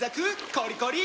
コリコリ！